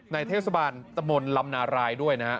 เทศบาลตะมนต์ลำนารายด้วยนะฮะ